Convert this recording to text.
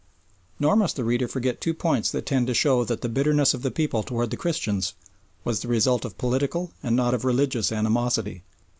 Nor must the reader forget two points that tend to show that the bitterness of the people towards the Christians was the result of political and not of religious animosity.